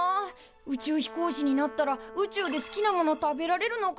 宇宙飛行士になったら宇宙で好きなもの食べられるのかな。